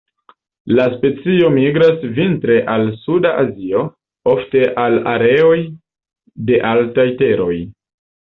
La specio migras vintre al suda Azio, ofte al areoj de altaj teroj.